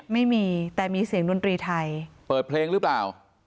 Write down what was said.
ไม่มีแต่มีเสียงดนตรีไทยเปิดเพลงหรือเปล่า